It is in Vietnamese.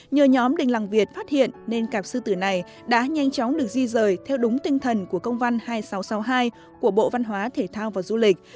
nhờ nhóm đình làng việt phát hiện nên cặp sư tử này đã nhanh chóng được di rời theo đúng tinh thần của công văn hai nghìn sáu trăm sáu mươi hai của bộ văn hóa thể thao và du lịch